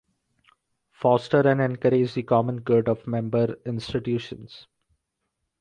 Foster and encourage the common good of member institutions.